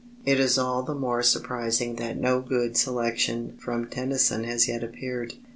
It is all the more surprising that no good selection from Tennyson has yet appeared.